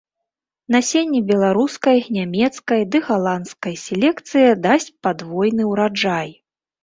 Насенне беларускай, нямецкай ды галандскай селекцыі дасць падвойны ўраджай.